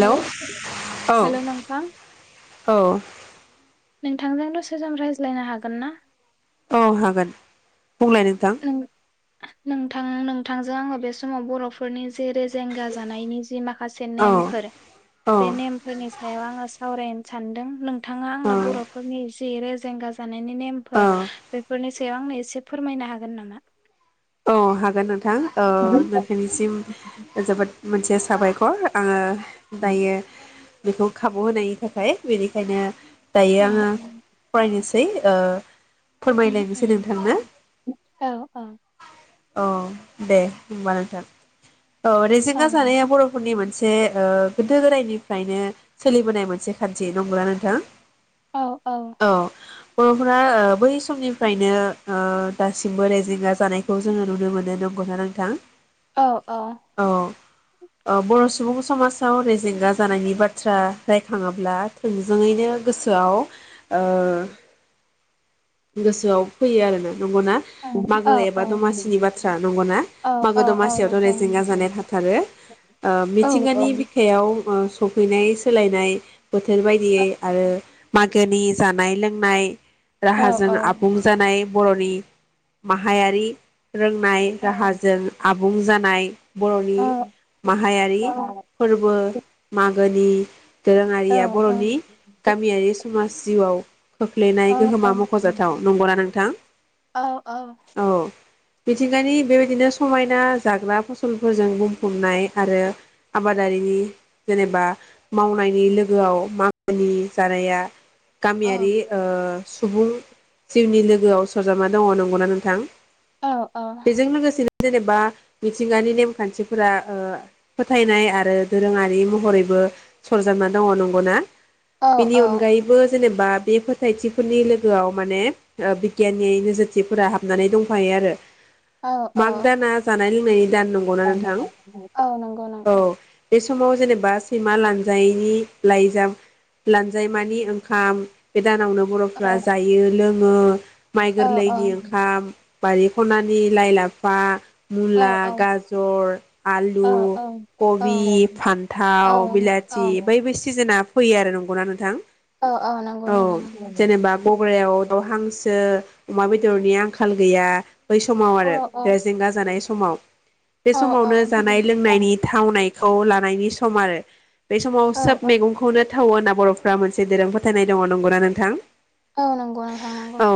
Hello औ hello नोंथां। औ। नोंथांजों दसे सम रायज्लायनो हागोन ना? औ हागोन। बुंलाय नोंथां। नों नोंथां नोंथांजों आङो बे समाव बर'फोरनि जे रेजेंगा जानायनि जि माखासे औ नेमफोर औ बे नेमफोरनि सायाव आङो सावरायनो सान्दों नों थाङा औ आंना बर'फोरनि इस जे रेजेंगा जानायनि नेमफोर बेफोरनि सायाव आंनो एसे फोरमायनो हा गोन नामा? अ हागोन नों नोंथां औ नोंथांनिसिम ओजोबोद मोनसे साबायखर आङो दायो बेखौ खाबु होनायनि थाखाय बेनिखायनो औ दायो आङो फरायनोसै दै ओ उम फोरमायलायनोसै नोंथांनो उम औ औ। औ दे होमबा नोंथां। औ औ रिेजेंंगा जानाया बरफोरनि मोनसे जे ओ गोदो गोदायनिफ्रायनो सोलिबोनाय मोनसे खान्थि दंमोनना नोंथां? औ औ। बरफोरा ओ बै समनिफ्रायनो ओ दासिमबो रायजिंगा जानायखौ जोङो नुनो मोनो नंगौना नोंथां? औ औ औ बर सु सुबुं समाजाव रेजेंगा जानायनि बाथ्रा रायखाङोब्ला थोंजोङैनो गोसोआव ओ गोसोआव फैयो आरोना। नंगौना औ मागो एबा दमासि बाथ्रा नंगौना औ मागो औ दमासियावथ रेजेंगा जानाया नंगौ थाथारो ओ औ औ मिथिंगानि बिखायाव ओ सौफैनाय सोलायनाय बोथोर बायदियै आरो मा गोनि जानाय लोंनाय औ राहाजों आबुं जानाय बरनि माहायारि रोंनाय औ राहाजों आब बुं जानाय औ बरनि औ माहायारि फोरबो मागो गोनि औ दोरोङारिया बरनि गामियारि समाज जिउआव खोख्लैनाय गोहोमा मखजाथाव नंगौना नोंथां? औ। मिथिंगानि बेबायदिनो समायना जाग्रा फसलफोरजों बुंफबनाय आरो आबादारिनि जेनेबा मावनायनि लोगोआव मागोनि जानाया। गामियारि ओ सुबुं जिउनि लोगोआव सरजाबना दङ नंगौना नोंथां? औ औ बेजों लोगोसेनो जेनेबा मिथिंगानि नेमखान्थिफोरा फोथायनाय आरो दोरोङारि महरैबो सरजाबना दङ नंगौना? बेनि अनगायैबो जेनेबा बा बे फोथायथिफोरनि लोगोआव माने बिगियाननि नोजोरथिफोरा हाबनानै दंफायो आरो। औ माग दाना जानाय लोंनायनि दान औ नंगौना नोंथां? नंगौ औ। नंगौ बे समाव जेनेबा सैमा लानजाय लाइज लानजाय मानि ओंखाम। गोदानावनो औ औ बर'फ्रा जायो लों [inaudible] माइ औ औ गोरलैनि ओंखाम। बारि खनानि नि लाइ, लाफा। औ मुला, औ गाजर, आलु, औ कबि, औ फान्थाव, बिलाथि बैबो सिजेना। फैयो आरो नंगौना नोंथां? नंगौ औ नोंथां नंगौ जेनेबा गग्रारायाव। हांसो, अमा बेदरनि आंखाल गैया। बै समाव औ औ आरो [inaudible] समाव। बे औ समावनो जानाय लोंनायनि थावनाय। खौ लानायनि सम आरो। बे समाव औ सोब मैगंखौनो थाव होनना बर'फ्रा मोनसे दोरों फोथायनाय दङ नंगौना नोंथां? औ नंगौ नोंथां नंगौ औ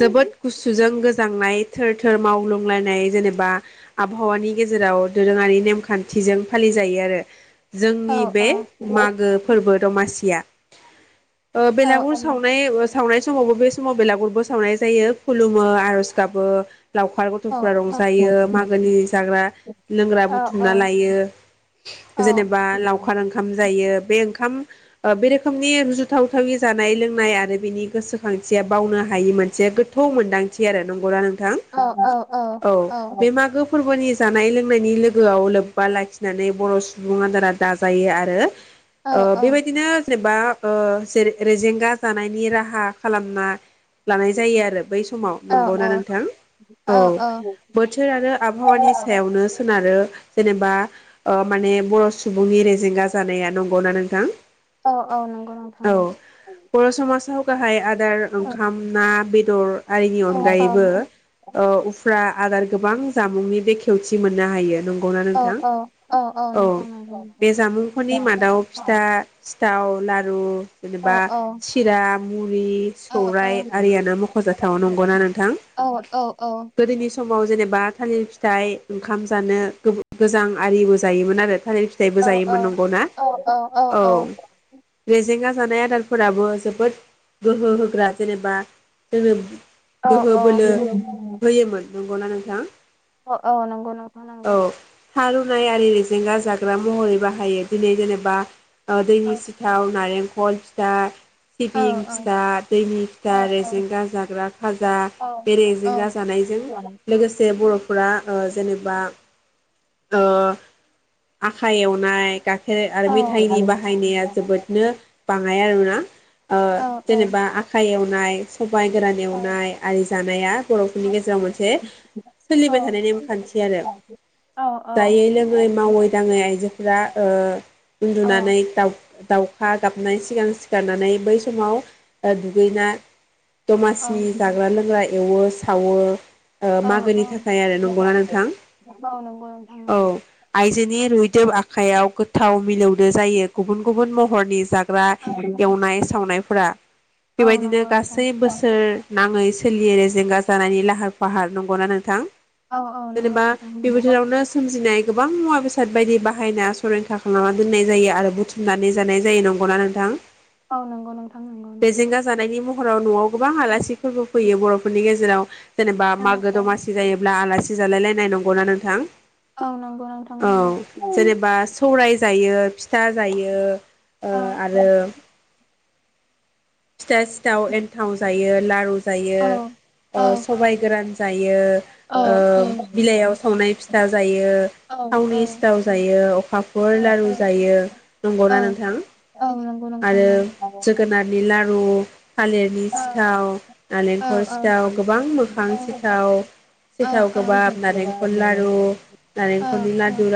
जोबोद गुसुजों गोजांनाय थोर थोर मावग्लुलायनाय जेनेबा, आबहावानि गेजेराव दोरोङारि नेमखान्थिजों फालिजायो आरो। औ जोंनि बे औ मागो फोरबो दमासिया। बेलागुर सावनाय। सावनाय समावबो बे समाव बेलागुरबो सावनाय जायो खुलुमो, आरज गाबो। लावखार गथ'फोरा रंजायो मागोनि जाग्रा लोंग्रा बुथुमना लायो, जेनेबा लावखार ओंखाम जायो बे ओंखाम बे रोखोमनि रुजुथावथावै जानाय लोंनाय आरो बेनि गोसोखांथिया बावनो हायि मोनसे गोथौ मोन्दांथि आरो, नंगौना नोंथां? औ बे मागो फोरबोनि जानाय लोंनायनि लोगोआव लोब्बा लाखिनानै बर' सुबुं आदारा दाजायो आरो ओ बेबायदिनो जेनेबा ओ जेरें रेजेंगा जानायनि राहा खालामना लानाय जायो आरो। बै समाव नंगौना नोंथां? औ बोथोर आरो आबहावानि सायावनो सोनारो जेनेबा ओ माने बर' सुबुंनि रेजेंगा जानाया नंगौना नोंथां? औ औ नंगौ नंथां नंगौ। गाहाइ आद दार औ ओंखाम ना बेदर आरिनि औ औ अनगायैबो उफ्रा आदार गोबां जामुंनि बेखेवथि मोननो हायो नं गौ ना औ नोंथां? औ औ नंगौ नंगौ नंगौ बे औ जामुंफोरनि मादाव फिथा थाव लारु जेनेबा औ सिरा [unintelligible] रि औ सौराइ आरियानो मख'जाथाव नंगौना नोंथां? औ गोदोनि समाव जेनेबा थालिर फिथाइ ओंखाम जानो गोबो गोजां आरिबो जायोमोन आरो। थालिर फिथाइबो जायोमोन नंगौना? औ रेज जेंगा जानाय आदारफोराबो जोबोद गोहो होग्रा जेनेबा जोंनो अ गोहो अ। बोलो होयोमोन नंगौना नोंथां? अ औ नंगौ नों औ थारु नाय आरि रेजेंगा जाग्रा महरै बाहायो दिनै जेनेबा ओ औ दैनि सिथाव नारेंखल फिथा, औ सिबिं फिथा, दैनि फिथा औ औ रेजेंगा जाग्रा खाजा औ बे औ रेजेंगा जानायजों लोगोसे बर' फ्रा ओ जेनेबा ओ आखाइ एवनाय गा खेर औ आरो औ मेथाइनि बाहायनाया जोबोदनो बाङाय आरोना। ओ औ जेनेबा आखाइ एवनाय सबाइ गोरान एवनाय आरि जानाया बर'फोरनि गेजेराव मोनसे सोलिबाय थानाय नेम खान्थि आरो। जायै लोङै मावै दाङै आइजोफोरा ओ उन्दुनानै औ दा दाउखा गाबनाय सिगां सिखारांनानै बै समाव दुगैना दमासिनि जाग्रा लोंग्रा एवो सावो अ मागोनि औ थाखाय आरो नंगौना नोंथां नंगौ। औ आइजोनि रुइदब आखाइयाव गोथाव मिलौदो जायो गुबुन गुबुन महरनि जाग एबा एवनाय सावनायफोरा औ बेबायदिनो नंगौ गासै नोंथां बोसोर नाङै सोलियै रै जिंगा जानायनि लाहार फाहार नंगौना नोंथां? औ औ नंगौ जेनेबा नोंथां बे बोथोरावनो [unintelligible] [unintelligible] गोबां मुवा बेसाद बायदि बाहायना सरैखा खालामना दोननाय जायो आरो बुथुमनानै जानाय जायो नंगौना नोंथां? औ नंगौ नोंथां नंगौ बे नंगौ जेंगा औ जानायनि महराव न'आव गोबां आलासि फोरबो फैयो बर'फोरनि गेजेराव। जेनेबा मागो औ दमासि जायोब्ला आलासि जालायलाय नाय नंगौना नोंथां? औ नोंगौ नोंथां औ नोंगौ। जेनेबा सौराय जायो फिथा जायो। ओ औ आरो फिथा सिथाव एन्थाव जायो। लारुज जयो औ औ ओ सबाय गोरान यो औ ओ औ बिलाइयाव सावनाय फिथा जायो औ औ थावनि सिथाव जायो अखाफोर औ लारु जायो औ नंगौना नोंथां? औ नंगौ नोंथां आरो नंगौ औ जोगोनारनि लारु न'नि औ सिथाव औ नालेंखर औ औ सिथाव गोबां मोखां औ सिथाव सिथाव औ गोबाब नालेंखर लारु नालेंखरनि लारु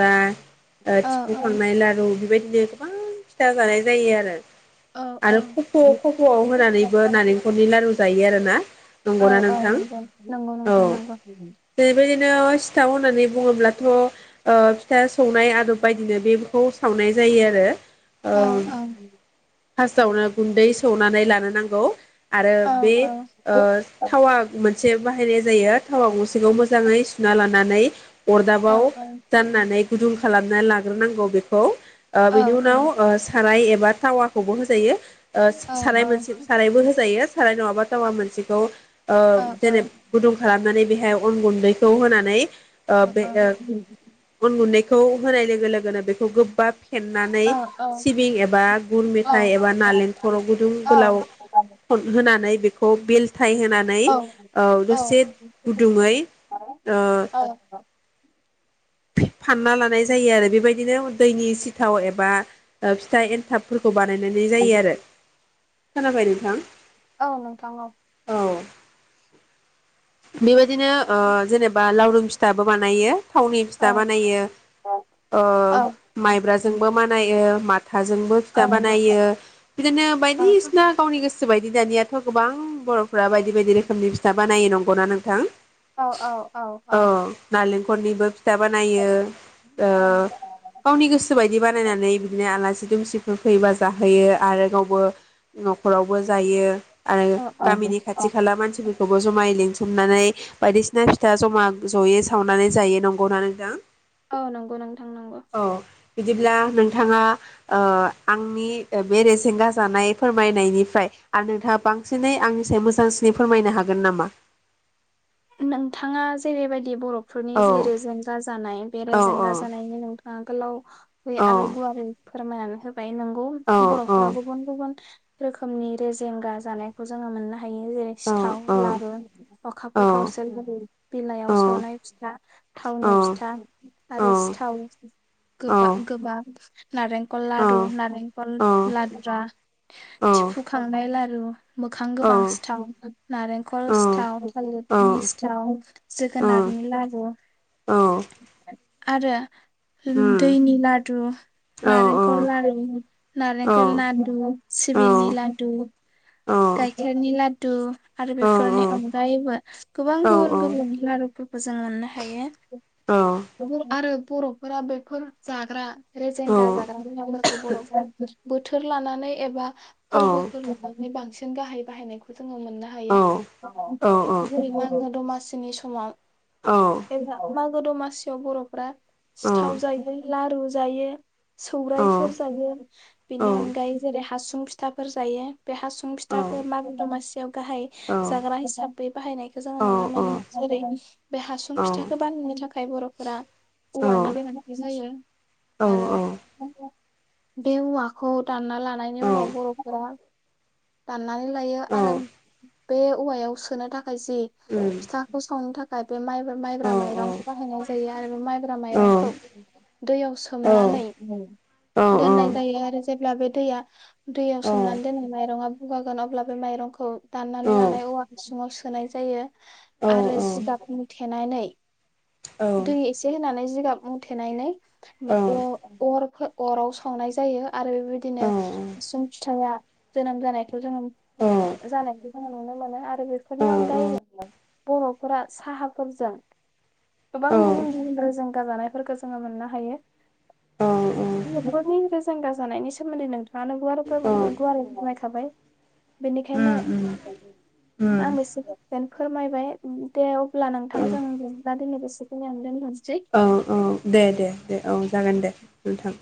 थिफुखांनाय लारु बेबायदिनो गोबां फिथा जानाय जायो आरो औ [inaudible] आरो खफ' खफ'आव होनानैबो नारेंखलनि लारु जायो आरोना औ नंगौना औ नोंथां? नंगौ नंगौ औ नोंथां नंगौ बेैबायदिनो सिथाव होननानै बुङोब्लाथ' ओ फिथा सौनाय आदब बायदिनो बेखौ सावनाय जायो आरो औ ओं औ फार्स्टावनो गुन्दै सौनानै लानो नांगौ। आरो बे औ ओ औ थावा मोन से बाहायनाय जायो थावा गंसेखौ मोजाङै सुना लानानै। अरदाबाव जान्नानै गुदुं खालाम ना लाग्रोनांगौ बेखौ। ओ बिनि उनाव ओ साराय एबा थावाखौबो होजायो। ओ स साराय मोनसे सारायबो होजायो साराय नङाबा थावा मोनसेखौ ओ जेने गुदुं खालामनानै बेहाय अन गुन्दैखौ होनानै ओ बे ओ अन गुन्दै खौ होनाय लोगो लोगोनो बेखौ गोबाब फेननानै औ औ औ सिबिं एबा गुर औ मेथाइ एबा नालेंखर गुदुं औ गोलाव फथ होना नै बेखौ बेल थाइ होनानै औ दसे गुदुङैनो ओ फानना लानाय जायो आरो बेबायदिनो दैनि सिथाव एबा फिथा एन्थाब फोरखौ बा नायनाय जायो आरो। खोनाबाय नोंथां। औ नोंथां औ। औ बेबाय दिनो ओ जेनेबा लाउदुम फि थाबो बानाययो। थावनि औ फिथा बानायो औ ओ औ औ माइब्राजोंबो बानायो। माथाजों फिथा बानायो बिदिनो बायदिसिना गावनि गोसो गोसो बायदि दानियाथ' गोबां बर'फ्रा बायदि बायदि रोखोमनि फिथा बानायो नंगौना नोंथां। औ औ औ औ। खरनिबो फि फिथा बानायो ओ गावनि गोसो बायदि बानायनानै बिदिनो आलासि [unintelligible] होफैबा जाहोयो आरो गावबो न'खरावबो जायो। आरो गामिनि औ खाथि खाला मानसिफोरखौबो जमायै लिंथिं मनानै बायदिसिना फिथा जमा जयै सावनानै जायो नंगौना नोथां। औ नंगौ नोंथां नंगौ अ बिदिब्ला नोंथाङा ओ आंनि बे रेजेंगा जानाय फोरमायनायनिफ्राय आरो नोंथाङा बांसिनै आंनि साय मोजांसिनै फोरमायनो हागोन नामा? नोंथाङा जेरैबायदि बर' फोरनि औ जि रेजेंगा जानाय बे औ रेजेंगा जानायनि नोंथाङा गोलाव यै औ आरो गुवारै फोरमायनानै होब बाय नंगौ औ औ बर'फोरा गुबुन गुबुन रोखोमनि रेजेंगा जानायखौ जोंङो मोननो हा थायो जेरै औ सिथाव लारु अखा औ फोरखाव सोलहोरि औ बिलाइयाव सावनाय फिथा थावनि औ औ फिथा आरो औ सिथाव औ गोबा गोबाब नारेंखल लारु औ नारेंखल औ लाद्रा थिफुखांनाय लारु मोखां गोबां सिथाव नारेंखल उम सिथाव औ मिस्थाव जोगोनारनि लारु आरो उम दैनि लदु औ नारेंखल औ लारु नारेंखल लादु औ सिबिंनि औ लादु औ गायखेरनि लादु आरो बेफोरनि अनगायैबो गोबां गुबुन गुबुन लारुफोरखौ जों मोननो हायो आरो बर'फोरा बेफोर जाग्रा रेजेंगा जाग्रा [unintelligible] बोथोर लानानै एबा औ फोर्बो [unintelligible] नि बां गाहाय बाहायनायखौ जोङो मोननो औ हायो औ जेरै मागो दमासिनि समाव एबा मागो दमासियाव बर'फ्रा सिथाव जायो लारु जायो सौराइफोर जायो बेनि अनगायै जेरै हासुं फिथाफोर जायो बे हासुं फिथ थाखो मागो दमासियाव गाहाय जाग्रा हिसाबै बाहायनायखो जोङो नुनो मोनो जेरै बे हासुं फिथाखौ बानायनो थाखाय फाय बर'फोरा औवानिबो मोन्नाय जायो औ आरो औ बे औवाखौ दानना लानायनि उनाव बर'फोरा दाननानै लायो औ आरो बे औवायाव सोनो थाखाय जि फिथाखौ संनो थाखाय बे माइब्रा माइब्रा औ माइरंखौ बाहायनाय जायो आरो बे माइब्रा औ माइरंखौ दैयाव सोमनानै दोननाय जायो आरो जेब्ला बे दैया दैयाव सोमनानै दोननाय माइरंङा बुगागोन अब्ला बे माइरंखौ दाननानै लानाय औवा हसुङाव सोनाय जायो। आरो जिगाबनि थेनानै दै एसे होनानै जिगाब मुथेेनायनै अ-अर अराव सावनाय जायो आरो बेबायदि हसुं फिथाया जोनोम जानाय जोंङो जानायखौ जोङो नुनो मोनो आरो बेफोरनि अनगायैबो बर'फोरा साहाफोरजों गोबां गुबुन गुबुन रेजेंगा गाजानायफोरखो जोङो मोननो हायो। [unintelligible] नि रोेजेंगा जानायनि सोमोन्दै नोंथाङानो गुवार गुवारै फोरमायखाबाय बेनिखायनो आं एसेखौनो फोरमायबाय दे अब्ला नोंथां [unintelligible] दिनै बेसे होनानो दोन्थ'नोसै। [unintelligible] औ औ दे दे दे औ जागोन दे नोंथां।